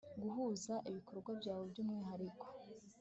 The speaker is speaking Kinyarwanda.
guhuza ibikorwa byarwo by umwihariko